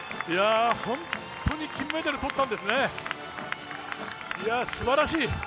本当に金メダル取ったんですね、すばらしい！